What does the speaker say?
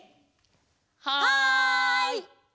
はい！